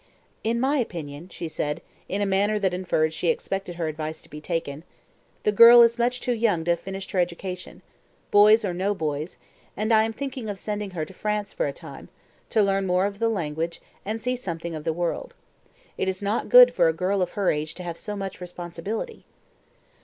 "In my opinion," she said, in a manner that inferred she expected her advice to be taken, "the girl is much too young to have finished her education boys or no boys and I am thinking of sending her to France for a time, to learn more of the language and see something of the world. It is not good for a girl of her age to have so much responsibility."